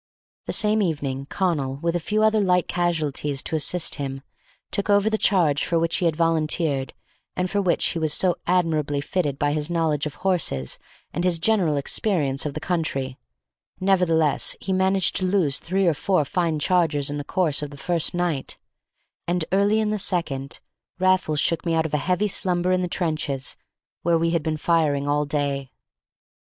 The same evening Connal, with a few other light casualties to assist him, took over the charge for which he had volunteered and for which he was so admirably fitted by his knowledge of horses and his general experience of the country; nevertheless, he managed to lose three or four fine chargers in the course of the first night; and, early in the second, Raffles shook me out of a heavy slumber in the trenches where we had been firing all day.